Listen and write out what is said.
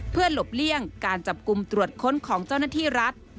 เพื่อหลบเลี่ยงการจับกลุ่มตรวจค้นของเจ้าหน้าที่รัฐ